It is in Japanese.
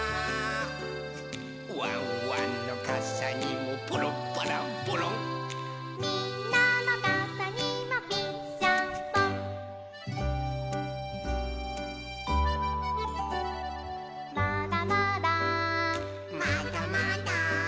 「ワンワンのかさにもポロンパランポロン」「みんなのかさにもピッシャンポン」「まだまだ」まだまだ。